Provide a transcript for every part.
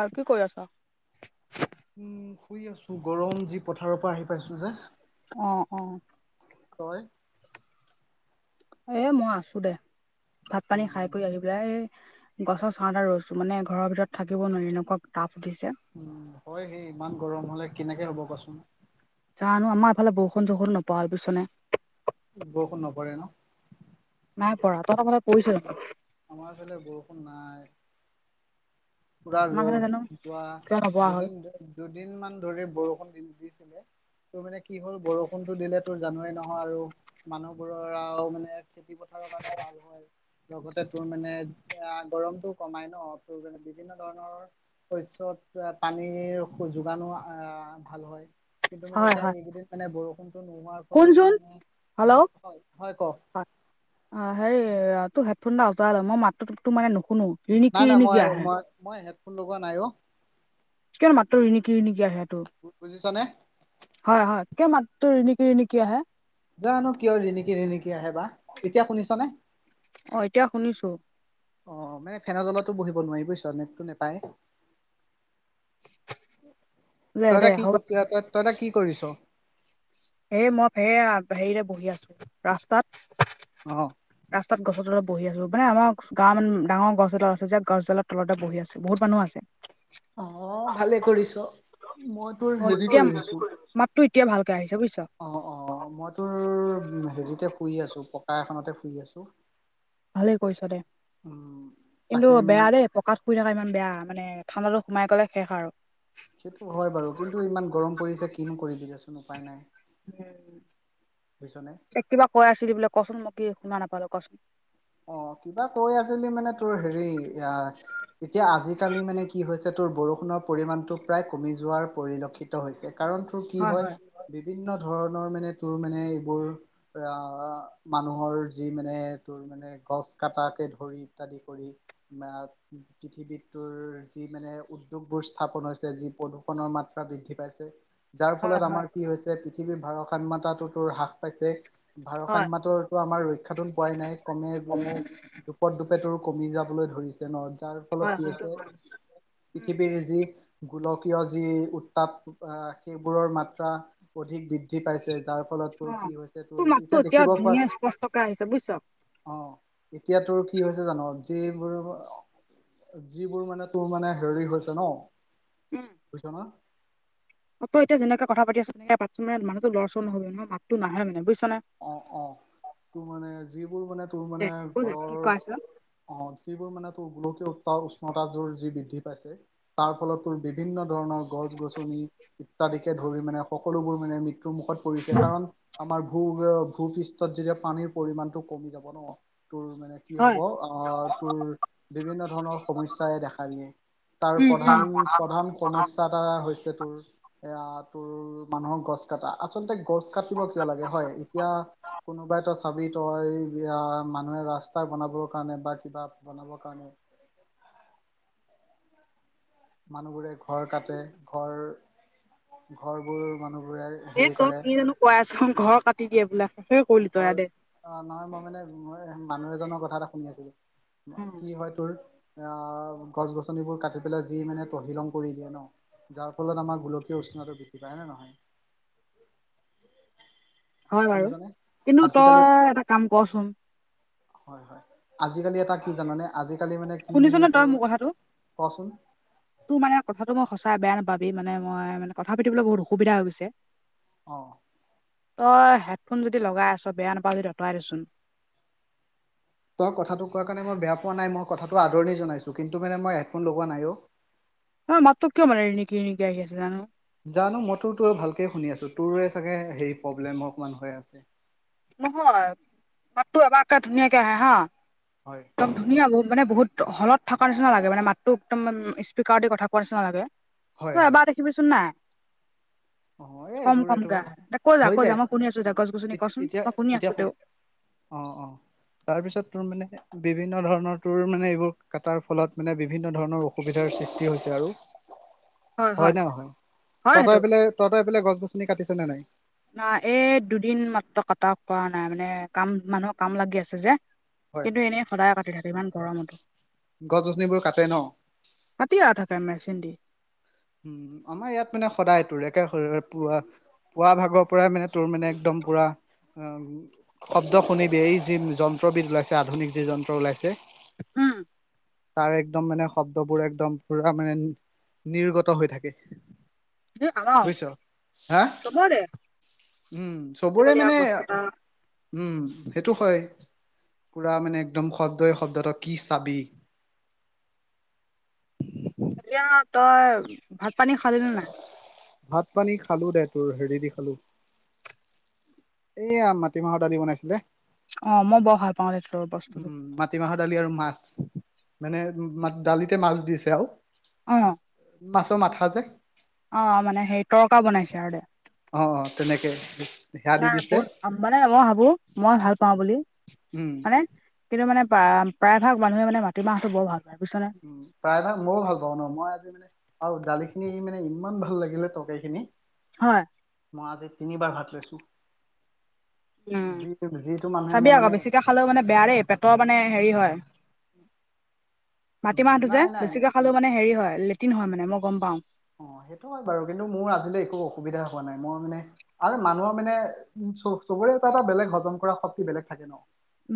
ঐ কি কৰি আছ উম শুই আছো গৰম যি পথাৰৰ পৰা আহি পাইছো যে অ অ তই এ মই আছো দে ভাত পানী খাই কৰি উম আহি গছৰ ছাঁহতে এটা ৰৈছো মানে ঘৰৰ ভিতৰত থাকিব নোৱাৰি এনেকুৱা তাপ উঠিছে উম হয় সেই ইমান গৰম হলে কেনেকে হ'ব কচোন জানো আমাৰ এইফালে বৰষুণ চৰষুণ নপৰা হল বুইছনে বৰষুণ নপৰে ন নাই পৰা তহঁতৰ ফালে পৰিছে জানো আমাৰ ফালে বৰষুণ নাই পুৰা ৰ'দ আমাৰ ফালে জানো যোৱা কিয় নপৰা হ'ল দুদিন দুদিন মান ধৰি বৰষুণ দি দিছিলে, তোৰ মানে কি হ'ল বৰষুণটো দিলে তোৰ জানই নহয় আৰু মানুহবোৰৰ আও মানে, খেতি পথাৰৰ কাৰণে ভাল হয় লগতে তোৰ মানে অ গৰমটো কমাই ন তোৰ মানে বিভিন্ন ধৰণৰ শস্যত পানীৰ যোগানো আ ভাল হয় কিন্তু মানে হয় এতিয়া হয় এইকেইদিন মানে বৰষুণটো নোহোৱাৰ ফলত শুনচোন মানে হেল্ল' হয় হয় কওক অ হেই তো হেডফোন ডাল অতৰাই লওঁ মই মাতটো তোৰ মানে নুশুনো ৰিণিকি নাই নাই ৰিণিকি মই আহে মই মই হেডফোন লগোৱা নাই অ কিয় নো মাতটো ৰিনিকি ৰিনিকি আহে তোৰ বুজিছনে হয় হয় কিয় মাতটো ৰিণিকি ৰিণিকি আহে জানো কিয় ৰিণিকি ৰিণিকি আহে বা এতিয়া শুনিছ নে অ এতিয়া শুনিছো অ মানে ফেন তলতো বহিব নোৱাৰি বুইছ নেতটো নাপাই দে তই দে এতিয়া কি হ'ব ক তই তই কি কৰিছ এই মই সেইয়া হেৰিৰে বহি আছো ৰাস্তাত অ ৰাস্তাত গছ তলত বহি আছো মানে আমাৰ গাঁৱ মান ডাঙৰ গছডাল আছে যে গছডালত তলতে বহি আছো বহুত মানুহ আছে। অ ভালে কৰিছ, মই তোৰ অ হেৰি এতিয়া কৰি আহিছো মাততো এতিয়া ভালকে আহিছে বুইছ। অ অ মই তোৰ হেৰিতে শুই আছোঁ পকা এখনতে শুই আছোঁ। ভালে কৰিছ দে উম তাকে কিন্তু মানে বেয়া দেই প- কাত শুই থকা ইমান বেয়া মানে ঠাণ্ডাটো সোমাই গ'লে শেষ আৰু। সেইটো হয় বাৰু কিন্তু ইমান গৰম পৰিছে কিনো কৰিবি দেচোন উপায় নাই। উম বুজিছনে? এ কিবা কৈ আছিলি বোলে কচোন মই কি শুনা নাপালো কচোন। অ কিবা কৈ আছিলি মানে তোৰ হেৰি আ। এতিয়া আজিকালি মানে কি হৈছে তোৰ বৰষুণৰ পৰিমাণটো প্ৰায় কমি যোৱাৰ পৰিলক্ষিত হৈছে কাৰণ তোৰ কি হয় বিভিন্ন ধৰণৰ মানে তোৰ মানে এইবোৰ আ মানুহৰ যি মানে তোৰ মান- মানে গছ কাটাকে ধৰি ইত্যাদি কৰি পৃথিৱীটোৰ যি মানে উদ্যোগবোৰ স্থাপন হৈছে যি প্ৰদূষণৰ মাত্ৰা বৃদ্ধি পাইছে। যাৰ হয় ফলত হয় আমাৰ কি হৈছে পৃথিৱীৰ ভাৰসাম্যতাটোৰ হ্ৰাস পাইছে। হয় ভাৰসাম্যতাটোৰ আমাৰ ৰক্ষাটোন পোৱাই নাই কমে [unintelligible] দুপট দুপে তোৰ কমি যাবলৈ ধৰিছে। ন যাৰ হয় ফলত কি সেইটো হৈছে হয় উম পৃথিৱীৰ যি গোলকীয় যি উত্তাপ আহ সেইবোৰৰ মাত্ৰা অধিক বৃদ্ধি পাইছে যাৰ ফলত অ তোৰ কি হৈছে তোৰ এতিয়া দেখিব পা কা আহিছে বুইছ অ এতিয়া তোৰ কি হৈছে জান, যিবোৰ যিবোৰ মানে তোৰ মানে হেৰি হৈছে ন, বুজিছ ন। অ ত এতিয়া যেনেকে কথা পাতিছ তেনেকে মানুহটো লৰা চৰ নহবি মাততো নাহে নহলে বুইছ নে? অ অ তোৰ মানে যিবোৰ মানে তোৰ দে মানে হৈ যা কি ঘৰৰ কৈ আছ অ যিবোৰ মানে তোৰ গোলকীয় উত্তাও উষ্ণতা যোৰ যি বৃদ্ধি পাইছে। তাৰ ফলত তোৰ বিভিন্ন ধৰণৰ গছ-গছনি ইত্যাদিকে ধৰি মানে সকলোবোৰ মানে মৃত্যু মুখত পৰিছে কাৰণ আমাৰ ভূ ভূ পৃষ্ঠত যেতিয়া পানীৰ পৰিমাণ টো কমি যাব ন তোৰ মানে কি হয় হব আহ তোৰ বিভিন্ন ধৰণৰ সমস্যাই দেখা দিয়ে। তাৰ উম প্ৰধান উম প্ৰধান সমস্য- এটা হৈছে তোৰ এয়া তোৰ মানুহৰ গছ কটা। আচলতে গছ কাটিব কিয় লাগে? হয়, এতিয়া কোনোবাই ত চাবি তই মানুহে ৰাস্তা বনাবৰ কাৰণে বা কিবা বনাবৰ কাৰণে মানুহবোৰে ঘৰ কাটে, ঘৰ ঘৰবোৰ মানুহবোৰে এ হেৰি তই কৰে কি জানো কৈ আছ, ঘৰ কাটি দিয়ে বোলে শেষে কৰিলি তই আ দে অ নহয় মই মানে মই মানুহ এজনৰ কথা এটা শুনি আছিলো কি হয় তোৰ আহ গছ গছনিবোৰ কাটি পেলাই যি মানে তহিলং কৰি দিয়ে ন। যাৰ ফলত আমাৰ গোলকীয় উষ্ণতা বৃদ্ধি পায় হয় নে নহয়? হয় বাৰু শুনিছনে? কিন্তু আজিকালি তই এটা কাম কৰচোন? হয় হয় আজিকালি এটা কি জানানে আজিকালি মানে কি শুনিছ নে তই তোৰ, মোৰ কথাটো কচোন? তোৰ মানে কথাটো মই সঁচাই বেয়া নাপাবি মানে মই মানে কথা পাতিবলৈ বহুত অসুবিধা হৈ গৈছে। অ। তই হেডফোন যদি লগাই আছ বেয়া নেপাওঁ যদি আঁতৰাই দে চোন। তই কথাটো কোৱাৰ কাৰণে মই বেয়া পোৱা নাই মই কথাটো আদৰণি জনাইছোঁ কিন্তু মানে মই হেডফোন লগোৱা নাই অ। অ মাতটো কিয় মানে ৰিণিকি-ৰিণিকি আহি আছে জনো? জানো মই তোৰ-তোৰ ভালকে শুনি আছোঁ, তোৰে চাগে হেৰি প্ৰব্লেম অকণমান হৈ আছে। নহয়, মাতটো এবাৰ একে ধুনীয়াকেই আহে হা, হয় একদম ধুনীয়া বহুত মানে বহুত হলত থকা নিচিনা লাগে মানে মাতো একদম স্পিকাৰ দি কথা কোৱাৰ নিচিনা লাগে, হয় ত হয় এবাৰ দেখ- শিবি চোন নাই। অ এই কম এইটোৰ কম এইটো আহে কৈ যা হৈ কৈ যা যায়। মই শুনি আছোঁ দে গছ গছনি এতি কচোন? এতিয়া মই শুনি আছো এতিয়া শু তেওঁ অ', অ', তাৰেপিছত তোৰ মানে বিভিন্ন ধৰণৰ তোৰ মানে এইবোৰ কটাৰ ফলত মানে বিভিন্ন ধৰণৰ অসুবিধাৰ সৃষ্টি হৈছে আৰু হয় নে নহয়? হয় সেইটো তহঁতৰ এফালে তহঁতৰ এফলে গছ গছনি কাটিছে নে নাই? না এই দুদিন মাত্ৰ কটা কৰা নাই মানে কাম মানুহৰ কাম লাগি আছে যে। হয় কিন্তু এনেই সদায় কাটি থাকে ইমান গৰমতো। গছ গছনিবোৰ কাটে ন? কাটিয়ে থাকে মেচেন দি। উম, আমাৰ ইয়াত মানে সদায় তুৰ, একে শৰৰ পোৰা পুৱা ভাগৰ পৰাই মানে তোৰ মানে একদম পুৰা, অ শব্দ শুনিবি এইয়ে যি যন্ত্ৰ বিদ ওলাইছে আধুনিক যি যন্ত্ৰ ওলাইছে। উম'। তাৰ একদম মানে শব্দবোৰ একদম পুৰা মানে নিৰ্গত হৈ থাকে। এ আমাও বুজিছ। হা চবৰে। উম, চবৰে আজিকালি আৰু মানে গছ কটা উম, সেইটো হয়। পুৰা মানে একদম শব্দই শব্দৰক কি চাবি। এতিয়া তই ভাত পানী খালি নে নাই? ভাত পানী খালোঁ দে তোৰ হেৰি দি খালোঁ। এয়া মাটিমাহৰ দালি বনাইছিলে। অ', মই বৰ ভাল পাওঁ তহঁতৰ বস্তুতটো। মাতিমাহৰ দালি আৰু মাছ। মানো দালিতে মাছ দিছে আঝ। অ'। মাছৰ মাথা যে? অ', মানে হেৰি তৰকা বনাইছে আৰু দে। অ অ তেনেকে সেয়া দি নাই দিছে বহুত মানে মই ভাবোঁ, মই ভাল পাওঁ বুলি। উম'। মানে কিন্তু মানে প্ৰা প্ৰায় ভাগ মানুহে মানে মাটিৰ মাহটো বৰ ভাল পায়, বুইছ নে? প্ৰায় ভাগ মইয়ো ভাল পাওঁ ন মই আজি মানে আও দালিখিনি মানে ইমান ভাল লাগিলে তৰকাৰী খিনি। হয়। মই আজি তিনিবাৰ ভাত লৈছোঁ। উম যি যিটো মানুহে চাবি মই আকৌ মানে বেছিকে খালেও মানে বেয়াৰে পেটৰ মানে হেৰি হয়, [unintelligible] উম মাটিমাহটো যে নাই নাই বেছিকে খালো উম মানে হেৰি হয় লেটিন হয় মানে মই গম পাওঁ। অ সেইটো হয় বাৰু কিন্তু মোৰ আজিলৈ একো অসুবিধা হোৱা নাই মই মানে আৰু মানুহৰ মানে উ, চবৰে এটা-এটা বেলেগ হজম কৰা শক্তি বেলেগ থাকে ন?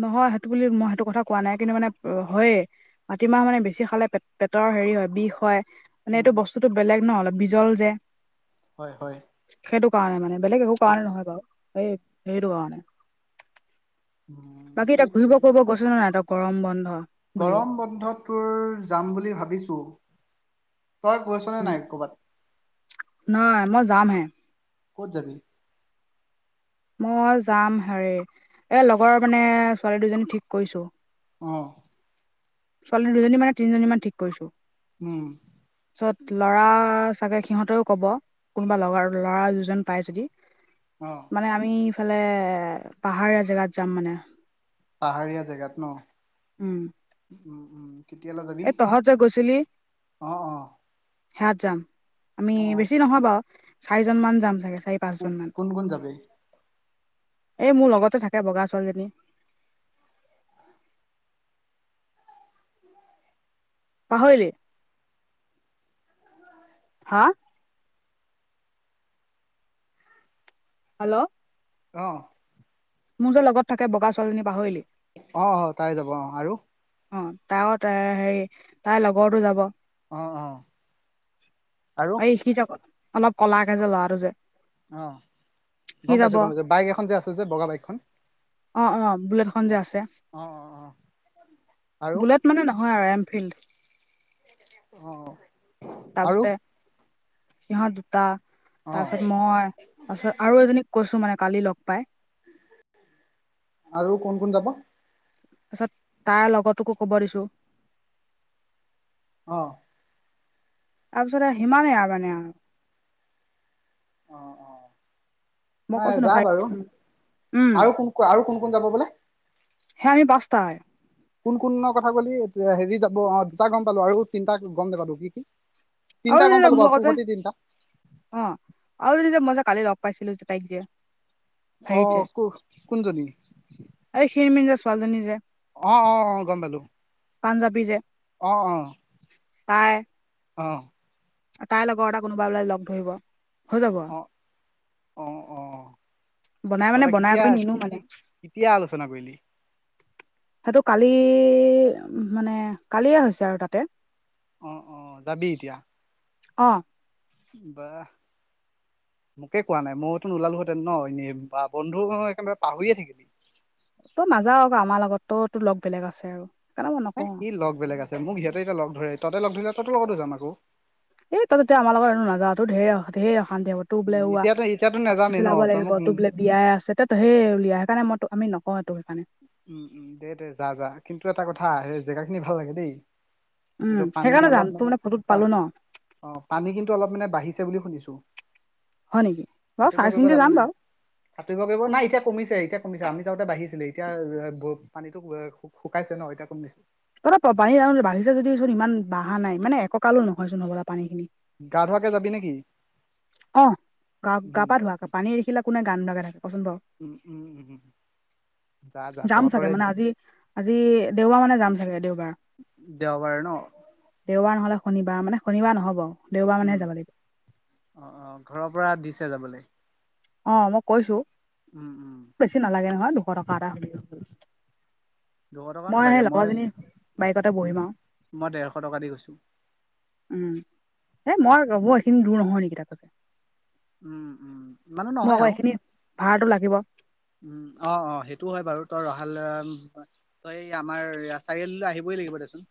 নহয় সেইটো বুলি মই সেইটো কথা কোৱা নাই কিন্তু মানে হয়েই। মাটিমাহ মানে বেছি খালে পেটৰ হেৰি হয়, বিষ হয় মানে উম এইটো বস্তুতটো বেলেগ ন অলপ, বিজল যে? হয়, হয়। সেইটো কাৰণে মানে বেলেগ একো কাৰণে নহয় বাৰু, এই সেইটো কাৰণে। উম সেইটোৱে টো। জানিছ নাই তই গৰম বন্ধ। বুলি গৰম বন্ধত টোৰ যাম বুলি ভাবিছোঁ। তই গৈছনে উম, নাই কৰ'বাত, নহয় মই যামহে কত যাবি? মই যাম হেৰি এ লগৰ মানে ছোৱালী দুজনী ঠিক কৰিছো। অ, ছোৱালী দুজনী মানে তিনিজনী মান ঠিক কৰিছো। উম, ছত ল'ৰা চাগে সিহঁতেও কব। কোনোবা লগৰ ল'ৰা দুজন পাই যদি অ'। মানে আমি ইফালে পাহাৰীয়া জেগাত যাম মানে। পাহাৰীয়া জেগাত ন'। উম। উম, উম, কেতিয়ালৈ যাবি? এই তহঁত যে গৈছিলি অ, অ। সেয়াত যাম আমি অ বেছি নহয় বাৰু চাৰিজনমান যাম চাগে চাৰি পাঁচজন মান কোন কোন যাবি এই মোৰ লগতে থাকে বগা ছোৱালীজনী। পাহৰিলি? হা হেল্ল'। অ'। মোৰ যে লগত থাকে বগা ছোৱালজনী পাহৰিলি? অ, অ তাই যাব অ' আৰু। অ' তাই ত হেৰি তাৰ লগৰতো যাব। অ অ আৰু এই শিকি যাব অলপ ক'লাকে যে লৰাটো যে। অ'। সি গম পাইছো, যাব গম পাইছো। বাইক এখন যে আছে যে বগা বাইকখন অ অ বুলেটখন যে অ'। আছে অ, অ, অ। আৰু বুলেট মানে নহয় আৰু এনফিল্ড। অ, অ। তাৰপিছতে সিহঁত দুটা অ তাৰপিছত মই তাৰপাছত আৰু এজনীক কৈছো মানে কালি লগ পাই। আৰু কোন কোন যাব? তাৰপিছত তাৰ লগতোকো কব দিছো। অ'। তাৰপিছত সিমানে এৰা মানে আৰু অ, মই অ' ন কৈছো যা চাৰি বাৰু, উম আৰু কোন ক আৰু কোন, কোন যাব বোলে? সেয়া আমি পাঁচটাই। কোন কোনৰ কথা কলি হেৰি যাব অ' দুটা গম পালো আৰু তিনিটা গম নাপালো, কি কি? আৰু তিনিটা গম এজনী পালো মোৰ বাৰু লগত তোৰ যে হতি তিনটা। অ, আৰু এজনী যে, মই যে কালি লগ পাইছিলো যে তাইক যে। অ, হেৰিত যে কোনজনী? এই ক্ষীণ মিন যে ছোৱালীজনী যে। অ' অ' অ' গম পালো। পাঞ্জাবী যে অ, তাই অ, অ। তাইৰ লগৰ এটা কোনোবা বোলে লগ ধৰিব, হৈ যাব। অ, অ। বনাই মানে তহঁতে বনাই কেতিয়া, কৰি নিনো মানে কেতিয়া আলোচনা কৰিলি? কথাটো কালি মানে কালিয়ে হৈছে আৰু তাতে। অ, অ, যাবি এতিয়া। অ'। বাহ। মোকে কোৱা নাই মইতো নোলালোহেঁতেন বন্ধু একেবাৰে পাহৰিয়ে থাকিলি। তই নাযাও আকৌ আমাৰ লগ বেলেগ আছে আৰু। সেইকাৰণে মই এ নকওঁ আৰু কি লগ বেলেগ আছে মোক সিহঁতে এতিয়া লগ ধৰে ততে লগ ধৰিলে ততো লগতো যাম আকৌ। এই তইতো এতিয়া আমাৰ লগত নোযোৱা ঢেৰ ধেৰ অশান্তি হ'ব। উম ওলোৱা এতিয়াতো এতিয়াতো নাযামেই ন চিলাব তই লাগিব মোক তোলে। বিয়াই আছে ত সেই উলিয়াই সেইকাৰণে মই ত আমি নকওঁ এইটো সেইকাৰণে। উম উম, দে দে যা যা কিন্তু এটা কথা সেই জেগা খিনি ভাল লাগে দেই। উম কিন্তু পানী সেইকাৰণে যাম অলপ তোৰ মানে, ফটোত পা পালো ন পানী কিন্তু অলপ মানে বাঢ়িছে বুলি শুনিছো। হয় নেকি বাৰু সাঁতুৰিব চাই কৰিব চিন্তি জান যাম নাই? বাৰু সাঁতুৰিব কৰিব নাই এতিয়া কমিছে এতিয়া কমিছে আমি যাওঁতে বাঢ়িছিলে। এতিয়া পানীতো শুকাইছে ন এতিয়া কমিছে। তত পা পানী ধাঙনি বাঢ়িছে যদি চোন ইমান বহা নাই মানে এককালো নহয় চোন হ'বা পানী খিনি। গা ধোৱাকে যাবি নেকি? অ গা, উম পা ধোৱাকে পানী দেখিলে কোনে গা নোধোৱাকৈ থাকে কচোন বাও। উম উম উহু। যাম চাগে মানে আজি, আজি দেওবাৰ মানে যাম চাগে দেওবাৰ। দেওবাৰ নহ। দেওবাৰ নহ'লে শনিবাৰ মানে শনিবাৰ নহ'ব দেওবাৰ উম মানেহে যাব লিগ- অ অ ঘৰৰ পৰা দিছে যাবলে? অ মই কৈছো। উম উম। বেছি নালাগে নহয় দুশ টকা এতা হলেই হবই। দুশ টকা মই নালাগে সেই লগৰজনী বাইকতে বহিম আও। মই ডেৰশ টকা দি গৈছো উম এই মই ৰ'ব এইখিনি দূৰ নহয় নেকি তাপাছ। উম উম মানে মোৰ নহয় আকৌ আও। এইখিনি ভাড়াটো লাগিব উম, অ অ সেইটো হয় বাৰু তই ৰহালৰা। তই এই আমাৰ চাৰিআলিলৈ আহিবই লাগিব দেচোন।